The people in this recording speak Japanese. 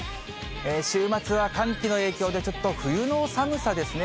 週末は寒気の影響でちょっと冬の寒さですね。